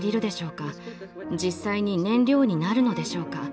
実際に燃料になるのでしょうか？